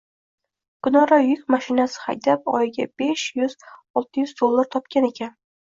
Kunora yuk moshinasi haydab, oyiga besh yuz-olti yuz dollar topgan ekan